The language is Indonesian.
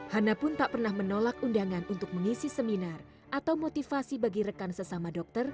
hana pun tak pernah menolak undangan untuk mengisi seminar atau motivasi bagi rekan sesama dokter